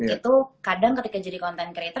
itu kadang ketika jadi content creator